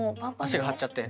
足が張っちゃって？